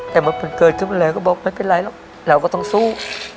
แต่มันเผิดเกิดขึ้นมาแล้วก็บอกไม่เป็นไรเราเราก็ต้องสู้